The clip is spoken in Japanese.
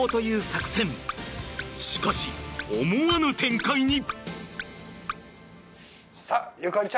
しかし思わぬ展開に。